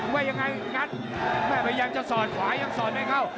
ว่ายังไงงัดแม่พยายามจะสอดขวายังสอดไม่เข้า